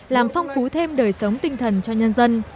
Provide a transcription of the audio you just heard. làm phong phú thêm đời sống tinh thần cho nhân dân